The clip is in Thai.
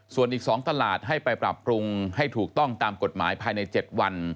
ส่วนอีก๒ตลาดให้ไปปรับปรุงให้ถูกต้องตามกฎหมายภายใน๗วัน